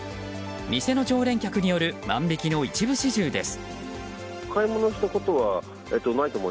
店の常連客による万引きの一部始終です。